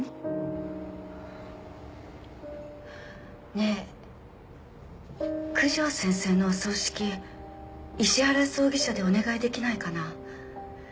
ねえ九条先生のお葬式石原葬儀社でお願いできないかな？